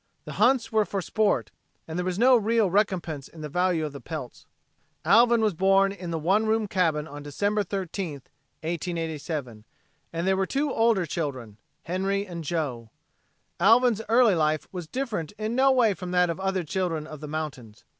The hunts were for sport; there was no real recompense in the value of the pelts. Alvin was born in the one room cabin on December 13, 1887. There were two older children Henry and Joe. Alvin's early life was different in no way from that of other children of the mountains.